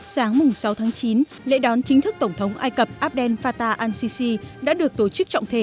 sáng sáu tháng chín lễ đón chính thức tổng thống ai cập abdel fattah al sisi đã được tổ chức trọng thể